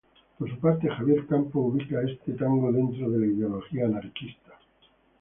Por su parte Javier Campo ubica este tango dentro de la ideología anarquista.